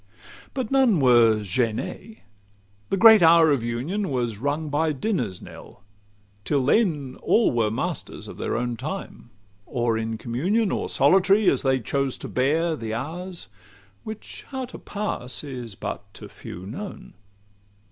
CIII But none were "gêné:" the great hour of union Was rung by dinner's knell; till then all were Masters of their own time or in communion, Or solitary, as they chose to bear The hours, which how to pass is but to few known.